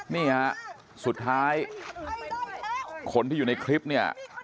นี่ฮะสุดท้ายคนที่อยู่ในคลิปเนี่ย